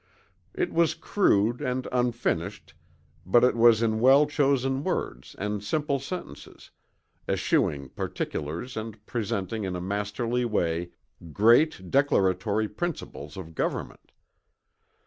It was crude and unfinished but it was in well chosen words and simple sentences, eschewing particulars and presenting in a masterly way great declaratory principles of government.